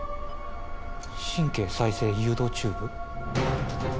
神経再生誘導チューブ？